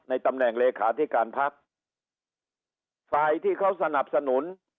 ตำแหน่งเลขาธิการพักฝ่ายที่เขาสนับสนุน